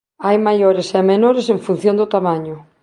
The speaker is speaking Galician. Hai maiores e menores en función do tamaño.